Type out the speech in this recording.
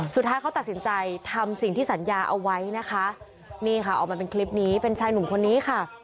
สุดท้ายเขาตัดสินใจทำสิ่งที่สัญญาเอาไว้นะคะนี่ค่ะออกมาเป็นคลิปนี้เป็นชายหนุ่มคนนี้ค่ะ